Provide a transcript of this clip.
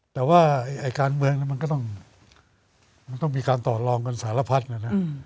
แต่ว่าการเมืองมันก็ต้องมีการต่อลองกันสารพัดนะนะ